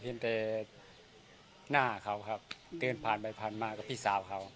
เห็นแต่หน้าเขาครับเดินผ่านไปผ่านมากับพี่สาวเขา